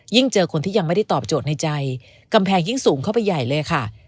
เจอคนที่ยังไม่ได้ตอบโจทย์ในใจกำแพงยิ่งสูงเข้าไปใหญ่เลยค่ะ